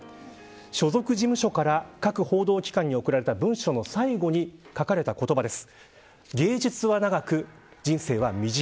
所属事務所から各報道機関に送られた文書の最後に書かれた言葉です。